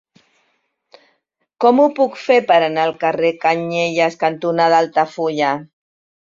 Com ho puc fer per anar al carrer Canyelles cantonada Altafulla?